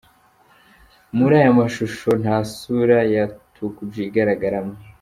Muri aya mashusho, nta sura ya Tukuji igaragaramo.